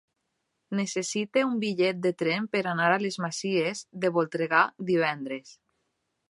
Necessito un bitllet de tren per anar a les Masies de Voltregà divendres.